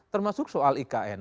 termasuk soal ikn